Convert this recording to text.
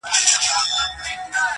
یوه سترګه مو روغه بله سترګه مو ړنده وي,